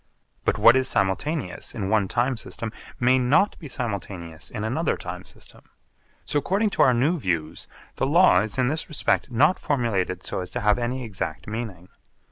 But what is simultaneous in one time system may not be simultaneous in another time system. So according to our new views the law is in this respect not formulated so as to have any exact meaning.